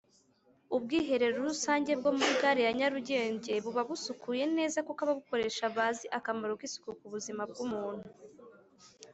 Ubwiherero rusange bwomuri gare ya nyarugenge buba busukuye neza kuko ababukoresha bazi akamaro kisuku kubuzima bwumuntu.